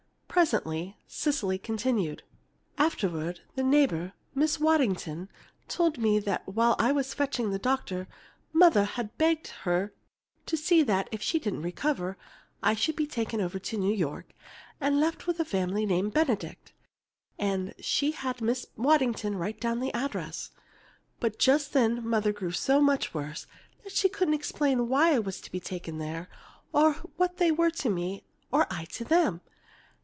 Presently Cecily continued: "Afterward, the neighbor, Mrs. Waddington, told me that while I was fetching the doctor Mother had begged her to see that, if she didn't recover, I should be taken over to New York, and left with a family named Benedict, and she had Mrs. Waddington write down the address. But just then Mother grew so much worse that she couldn't explain why I was to be taken there, or what they were to me or I to them.